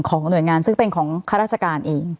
หน่วยงานซึ่งเป็นของข้าราชการเอง